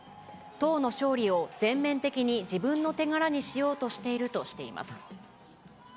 党の勝利を全面的に自分の手柄にしようとしているとしています。